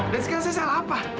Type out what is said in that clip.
dan sekarang saya salah apa